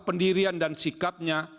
pendirian dan sikapnya